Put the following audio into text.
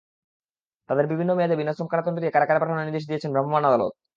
তাঁদের বিভিন্ন মেয়াদে বিনাশ্রম কারাদণ্ড দিয়ে কারাগারে পাঠানোর নির্দেশ দিয়েছেন ভ্রাম্যমাণ আদালত।